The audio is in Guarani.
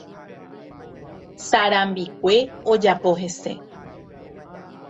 Sarambikue ojapo hese